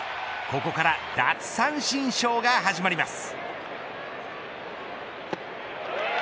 ここから奪三振ショーが始まります。